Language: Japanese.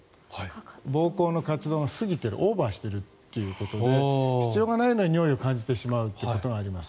膀胱の活動が過ぎてるオーバーしているということで必要がないのに尿意を感じてしまうことがあります。